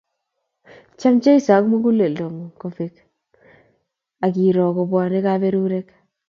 Cham Jeso ak muguleldo ngung kobek akiro kobwonei kaberurek